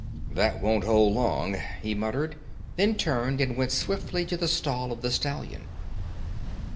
'That won't hold long,' he muttered, then turned and went swiftly to the stall of the stallion.